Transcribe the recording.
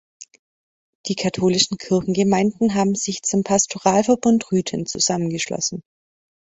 Die katholischen Kirchengemeinden haben sich zum Pastoralverbund Rüthen zusammengeschlossen.